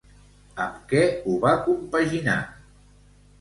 Amb què ho va compaginar?